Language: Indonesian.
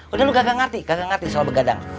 udah lo gak ngerti gak ngerti soal begadang